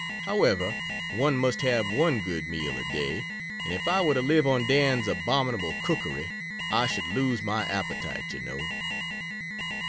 However, one must have one good meal a day, and if I were to live on Dan's abominable cookery, I should lose my appetite, you know.